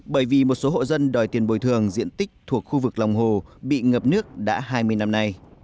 bởi vì một số hộ dân đòi tiền bồi thường diện tích thuộc khu vực lòng hồ bị ngập nước đã hai mươi năm nay